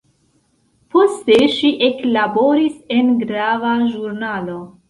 Poste ŝi eklaboris en grava ĵurnalo.